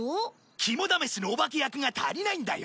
肝試しのお化け役が足りないんだよ。